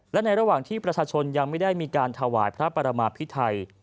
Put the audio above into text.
และในระหว่างที่ประชาชนยังไม่ได้มีการถวายพระปรมาพิไทย